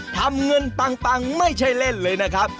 ทำเงินปังไม่ใช่เล่นเลยนะครับ